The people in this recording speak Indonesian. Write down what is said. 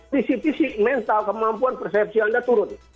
visi visi mental kemampuan persepsi anda turun